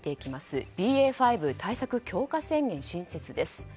５対策強化宣言新設です。